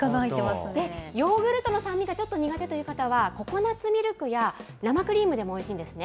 ヨーグルトの酸味がちょっと苦手という方は、ココナッツミルクや生クリームでもおいしいんですね。